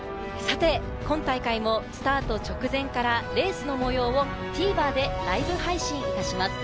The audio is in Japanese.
今大会もスタート直前からレースの模様をＴＶｅｒでライブ配信します。